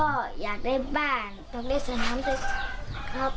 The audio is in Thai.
ก็อยากได้บ้านทำได้สนามเลยครับ